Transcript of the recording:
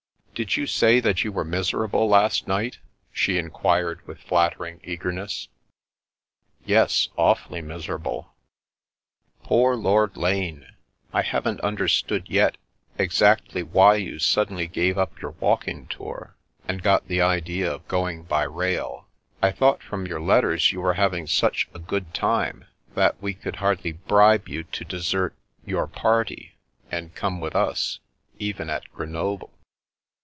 " Did you say you were miserable last night ?" she inquired with flattering eagerness. " Yes. Awfully miserable." " Poor Lord Lane ! I haven't understood yet ex actly why you suddenly gave up your walking tour, and got the idea of going on by rail. I thought from your letters you were having such a good time, that we could hardly bribe you to desert — ^your party and come with us, even at Grenoble."